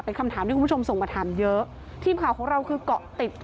เป็นคำถามที่คุณผู้ชมส่งมาถามเยอะทีมข่าวของเราคือเกาะติด